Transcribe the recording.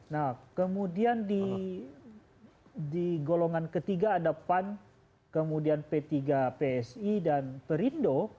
nah kemudian di golongan ketiga ada pan kemudian p tiga psi dan perindo